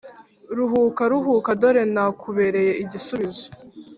ruhuka ruhuka dore nakubereye igisubizo,